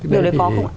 điều đấy có không ạ